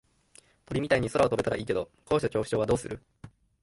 鳥みたいに空を飛べたらいいけど高所恐怖症はどうする？